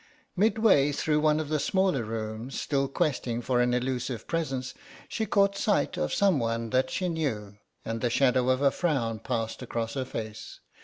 Midway through one of the smaller rooms, still questing for an elusive presence, she caught sight of someone that she knew, and the shadow of a frown passed across her face.